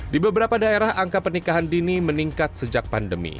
di beberapa daerah angka pernikahan dini meningkat sejak pandemi